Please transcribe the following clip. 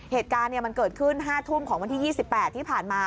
เหตุการณ์มันเกิดขึ้น๕ทุ่มของวันที่๒๘ที่ผ่านมา